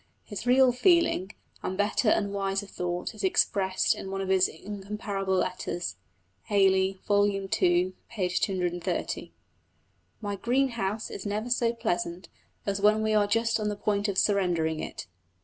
His real feeling, and better and wiser thought, is expressed in one of his incomparable letters (Hayley, vol. ii. p. 230) "My green house is never so pleasant as when we are just on the point of surrendering it....